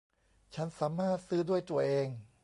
ฉันสามารถซื้อด้วยตัวเอง